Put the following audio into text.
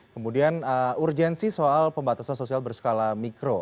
kemudian urgensi soal pembatasan sosial berskala mikro